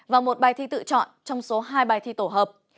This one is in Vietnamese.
và một bài thi tự chọn trong số hai bài thi tổ hợp